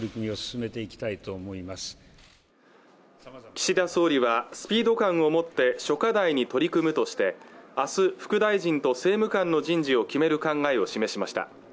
岸田総理はスピード感をもって諸課題に取り組むとして明日副大臣と政務官の人事を決める考えを示しました